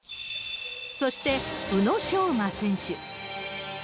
そして宇野昌磨選手。